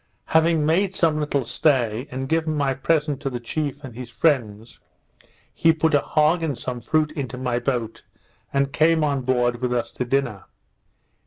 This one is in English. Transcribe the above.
Having made some little stay, and given my present to the chief and his friends, he put a hog and some fruit into my boat, and came on board with us to dinner.